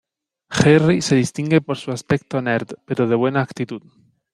Jerry se distingue por su aspecto nerd, pero de buena actitud.